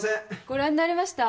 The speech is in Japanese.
ご覧になりました？